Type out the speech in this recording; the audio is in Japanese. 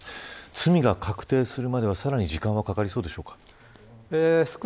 罪が確定するまでさらに時間がかかるでしょうか。